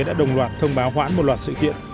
đã đồng loạt thông báo hoãn một loạt sự kiện